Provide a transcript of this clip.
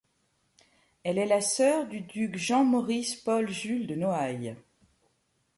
Elle est la sœur du duc Jean Maurice Paul Jules de Noailles.